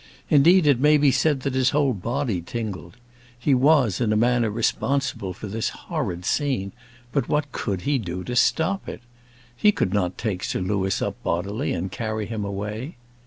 Indeed, it may be said that his whole body tingled. He was in a manner responsible for this horrid scene; but what could he do to stop it? He could not take Sir Louis up bodily and carry him away.